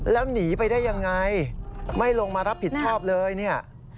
แล้วหนีไปได้ยังไงไม่ลงมารับผิดชอบเลยเนี่ย